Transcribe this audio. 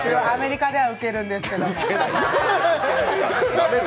アメリカではウケるんですけれども。